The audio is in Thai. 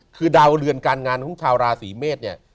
คือดาวเรือนการงานของชาวราศีเมษเนี่ย